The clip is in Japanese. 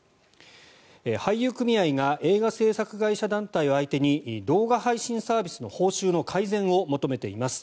俳優組合が映画制作会社団体を相手に動画配信サービスの報酬の改善を求めています。